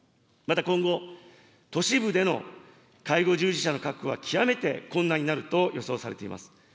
また今後、都市部での介護従事者の確保は極めて困難になると予想されています。